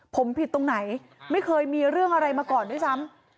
ผมผิดตรงไหนไม่เคยมีเรื่องอะไรมาก่อนด้วยซ้ำ